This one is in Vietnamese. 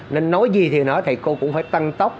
nên nói gì thì nói thầy cô cũng phải tăng tốc